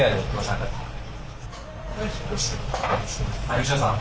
吉田さん。